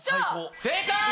正解！